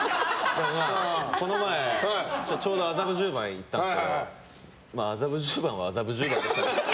この前、ちょうど麻布十番行ったんですけど麻布十番は麻布十番だなって。